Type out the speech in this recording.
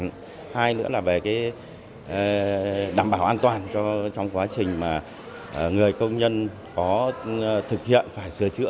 hai nữa là về đảm bảo an toàn cho trong quá trình mà người công nhân có thực hiện phải sửa chữa